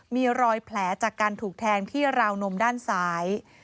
มีรอยแผลจากการถูกแทงที่ราวนมด้านซ้าย